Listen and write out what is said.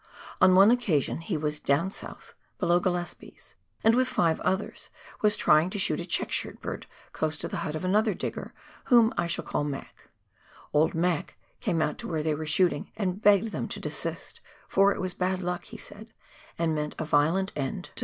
On one occasion he was " down South," below Gillespies, and, with five others, was trying to shoot a check shirt bird close to the hut of another digger, whom I shall call Mac." Old Mac came out to where they were shooting, and begged them to desist, for it was bad luck, he said, and meant a violent end to 148 PIONEER WORK IN THE ALPS OF NEW ZEALAND.